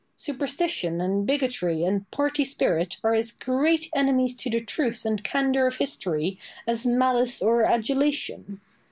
Superstition, and bigotry, and party spirit are as great enemies to the truth and candour of history as malice or adulation.